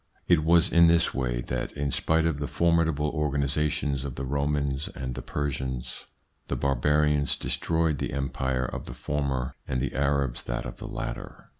It was in this way that, in spite of the formidable organisations of the Romans and Persians, the barbarians destroyed the Empire of the former and the Arabs that of the latter.